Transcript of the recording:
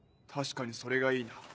確かにそれがいいな。